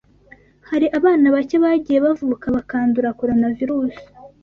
Hari abana bake bagiye bavuka bakandura Coronavirusi